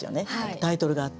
タイトルがあって。